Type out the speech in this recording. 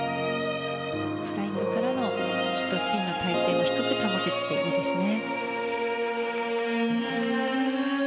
フライングからのシットスピンの体勢も低く保てていて、いいですね。